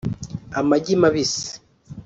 amagi mabisi